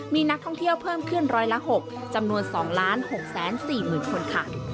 มีนักท่องเที่ยวเพิ่มขึ้นร้อยละ๖จำนวน๒๖๔๐๐๐คนค่ะ